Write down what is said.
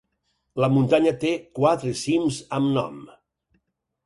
La muntanya té quatre cims amb nom.